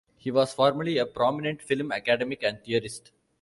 He was formerly a prominent film academic and theorist.